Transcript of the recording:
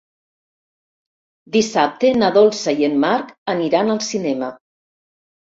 Dissabte na Dolça i en Marc aniran al cinema.